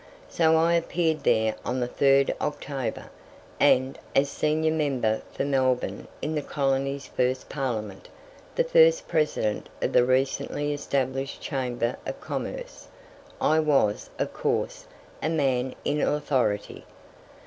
So I appeared there on the 3rd October, and, as senior member for Melbourne in the colony's first Parliament, and first President of the recently established Chamber of Commerce, I was, of course, "a man in authority."